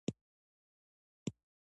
ازادي راډیو د عدالت ته پام اړولی.